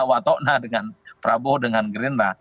watokna dengan prabowo dengan gerindra